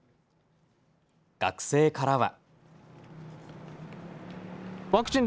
学生からは。